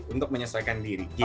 untuk menyesuaikan diri gitu